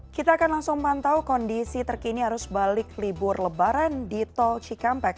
kita akan langsung pantau kondisi terkini arus balik libur lebaran di tol cikampek